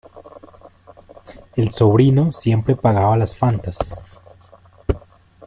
El sobrino siempre pagaba las Fantas.